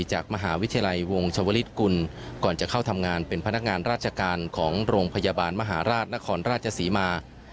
จากมหาวิทยาลัยวงชวลิศกุลก่อนจะเข้าทำงานเป็นพนักงานราชการของโรงพยาบาลมหาราชนครราชศรีมา